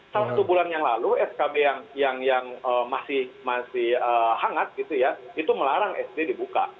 satu bulan yang lalu skb yang masih hangat gitu ya itu melarang sd dibuka